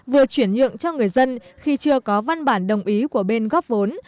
vừa chuyển nhượng cho người dân khi chưa có văn bản đồng ý của bên góp vốn